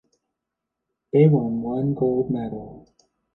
They won one gold medal.